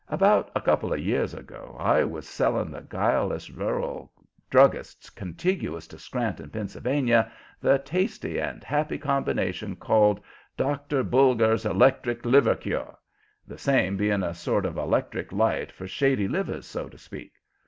About a couple of years ago I was selling the guileless rural druggists contiguous to Scranton, Pennsylvania, the tasty and happy combination called 'Dr. Bulger's Electric Liver Cure,' the same being a sort of electric light for shady livers, so to speak.